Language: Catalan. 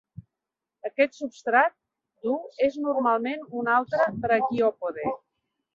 Aquest substrat dur és normalment un altre braquiòpode.